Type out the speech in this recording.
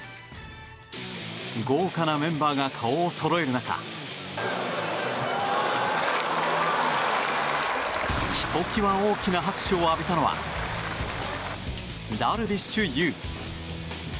豪華なメンバーが顔をそろえる中ひときわ大きな拍手を浴びたのはダルビッシュ有。